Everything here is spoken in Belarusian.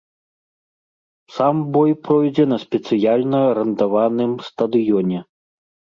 Сам бой пройдзе на спецыяльна арандаваным стадыёне.